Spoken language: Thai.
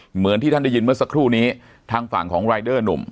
เหมือนที่ท่านได้ยินเมื่อสักครู่นี้ทางฝั่งของรายเดอร์หนุ่ม